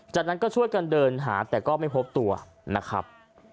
จากนั้นก็ช่วยกันเดินหาแต่ก็ไม่พบตัวนะครับ